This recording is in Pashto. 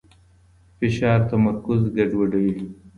فشار تمرکز ګډوډوي.